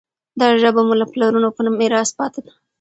دا ژبه مو له پلرونو په میراث پاتې ده.